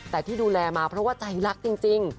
แต่ที่ดูแลมาเพราะว่าใจรักจริง